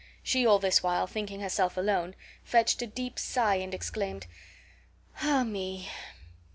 She all this while thinking herself alone, fetched a deep sigh, and exclaimed: "Ah me!"